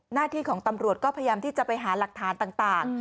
หน้าที่ของตำรวจก็พยายามที่จะไปหาหลักฐานต่าง